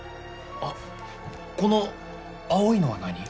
あっこの青いのは何？